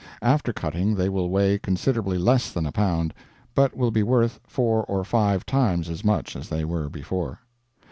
After cutting, they will weigh considerably less than a pound, but will be worth four or five times as much as they were before.